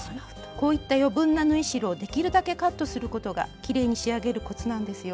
こういった余分な縫い代をできるだけカットすることがきれいに仕上げるコツなんですよ。